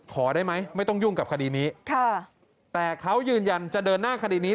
ขอได้ไหมไม่ต้องยุ่งกับคดีนี้ค่ะแต่เขายืนยันจะเดินหน้าคดีนี้